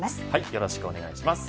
よろしくお願いします